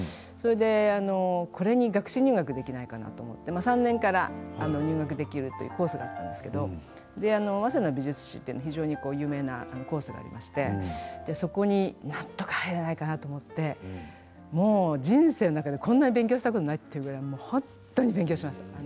それでこれに学士入学できないかなと思って３年から入学できるというコースだったんですけど早稲田の美術史って非常に有名なコースがありましてそこになんとか入れないかなと思って人生の中でこんなに勉強したことないというぐらい本当に勉強しました。